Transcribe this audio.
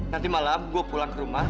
nanti malam gue pulang ke rumah